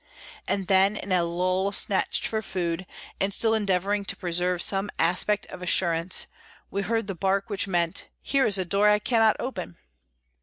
And then, in a lull snatched for food, and still endeavouring to preserve some aspect of assurance, we heard the bark which meant: "Here is a door I cannot open!"